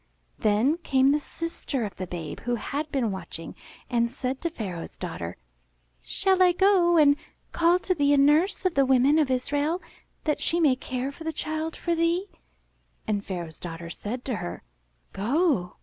Then came the sister of the babe, who had been watching, and said to Pharaoh's daughter, ''Shall I go and call to thee a nurse of the women of Israel that she may care for the child for thee?" And Pharaoh's daughter said to her, ''Go."